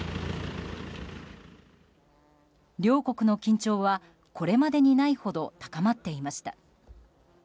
両国の緊張はこれまでにないほど高まっていました。